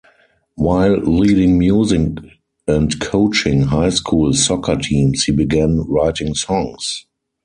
While leading music and coaching high school soccer teams he began writing songs.